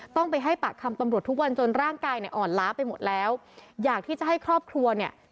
ต้องไปให้ปากคำตำรวจทุกวันจนร่างกายเนี่ยอ่อนล้าไปหมดแล้วอยากที่จะให้ครอบครัวเนี่ย